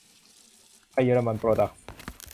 ไทย-เยอรมัน โปรดักส์